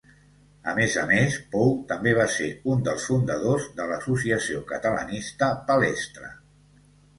A més a més Pou també va ser un dels fundadors de l'associació catalanista Palestra.